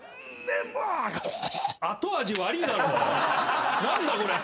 後味悪いだろこれ。